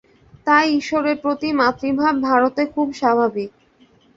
তাই ঈশ্বরের প্রতি মাতৃভাব ভারতে খুব স্বাভাবিক।